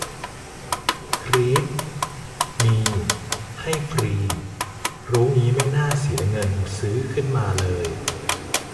กรี๊ด มี ให้ฟรี รู้งี้ไม่น่าเสียเงินซื้อขึ้นมาเลย